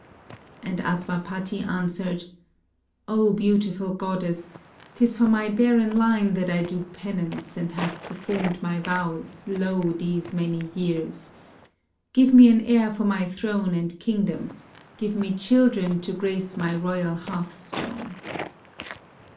And Asva pati answered: "Oh, beautiful goddess, 'tis for my barren line that I do penance and have performed my vows, lo ! these many years. Give me an heir for my throne and kingdom; give me children to grace my royal hearth stone."